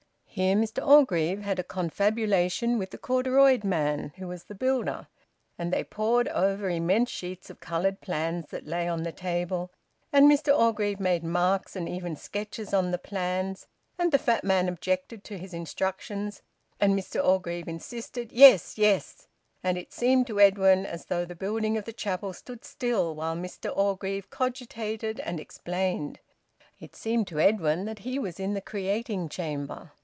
Here Mr Orgreave had a confabulation with the corduroyed man, who was the builder, and they pored over immense sheets of coloured plans that lay on the table, and Mr Orgreave made marks and even sketches on the plans, and the fat man objected to his instructions, and Mr Orgreave insisted, "Yes, yes!" And it seemed to Edwin as though the building of the chapel stood still while Mr Orgreave cogitated and explained; it seemed to Edwin that he was in the creating chamber.